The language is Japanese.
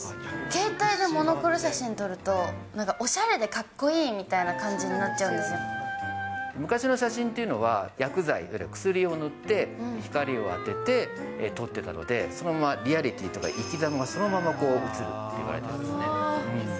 携帯でモノクロ写真撮ると、おしゃれでかっこいいみたいな感昔の写真っていうのは、薬剤、いわゆる薬を塗って、光を当てて撮ってたので、そのままリアリティーとか生きざまがそのまま写るっていわれているんですね。